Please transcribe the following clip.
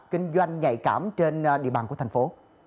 kinh doanh nhạy cảm trên địa bàn của thành phố